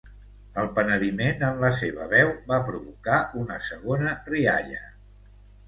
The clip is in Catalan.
El penediment en la seva veu va provocar una segona rialla.